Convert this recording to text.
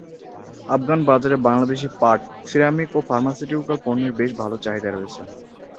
আফগান বাজারে বাংলাদেশী পাট, সিরামিক ও ফার্মাসিউটিক্যাল পণ্যের বেশ ভাল চাহিদা রয়েছে।